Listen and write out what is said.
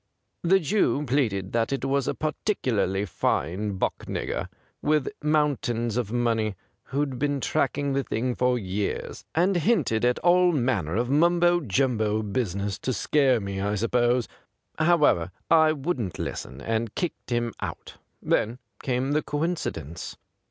The Jew pleaded that it was a particularly fine buck nigger, with mountains of money, who'd been tracking the thing for years, and hinted at all manner of mumbo jumbo business — to scare me, I suppose. However, I wouldn't listen, and kicked him out. Then came the coincidence.